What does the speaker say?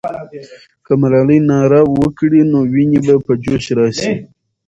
که ملالۍ ناره وکړي، نو ويني به په جوش راسي.